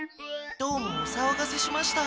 どうもおさわがせしました。